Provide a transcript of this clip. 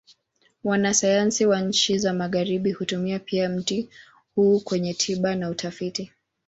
Wanasayansi wa nchi za Magharibi hutumia pia mti huu kwenye tiba na utafiti.